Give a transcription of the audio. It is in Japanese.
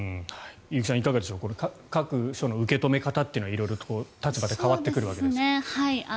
結城さん、いかがでしょう各所の受け止め方というのは色々と立場で変わってくるわけですが。